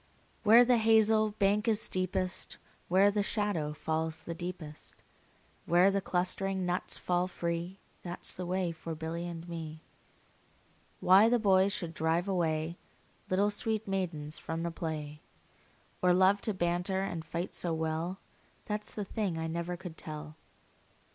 Where the hazel bank is steepest, Where the shadow falls the deepest, Where the clustering nuts fall free, 15 That 's the way for Billy and me. Why the boys should drive away Little sweet maidens from the play, Or love to banter and fight so well, That 's the thing I never could tell.